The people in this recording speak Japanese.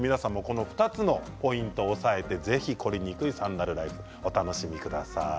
２つのポイントを押さえて凝りにくいサンダルライフをお楽しみください。